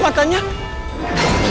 jangan jangan lo leak ya